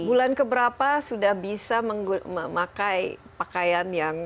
bulan keberapa sudah bisa memakai pakaian yang